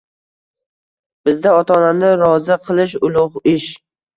Bizda ota-onani rozi qilish ulug‘ ish